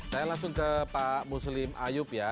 saya langsung ke pak muslim ayub ya